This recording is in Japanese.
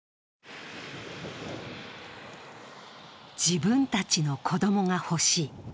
自分たちの子供が欲しい。